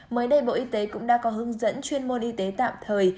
mới đây bộ y tế cũng đã có hướng dẫn chuyên môn y tế tạm thời